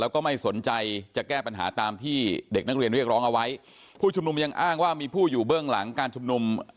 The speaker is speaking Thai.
ว่ามีผู้อยู่เบื้องหลังการชุมนุม